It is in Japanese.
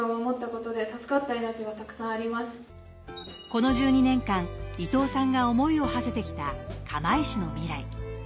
この１２年間伊藤さんが思いをはせてきた。